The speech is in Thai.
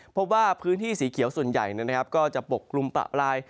พบว่าพื้นที่สีเขียวส่วนใหญ่นะครับก็จะปกกลุ่มปะลาย